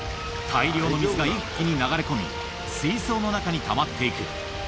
大量の水が一気に流れ込み、水槽の中にたまっていく。